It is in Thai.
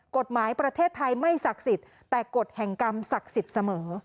กฎหมายประเทศไทยไม่ศักดิ์สิทธิ์แต่กฎแห่งกรรมศักดิ์สิทธิ์เสมอ